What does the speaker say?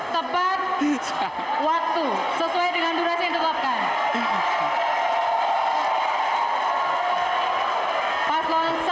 tepat waktu sesuai dengan durasi yang ditetapkan